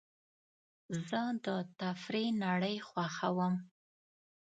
زه د تفریح نړۍ خوښوم.